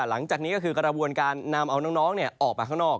หลังจากนี้ก็คือกระบวนการนำเอาน้องออกไปข้างนอก